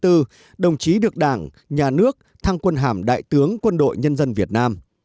tháng sáu năm một nghìn chín trăm tám mươi một đồng chí được đảng nhà nước thăng quân hàm thượng tướng quân đội nhân dân việt nam